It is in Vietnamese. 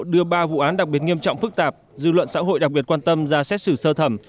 đưa ba vụ án đặc biệt nghiêm trọng phức tạp dư luận xã hội đặc biệt quan tâm ra xét xử sơ thẩm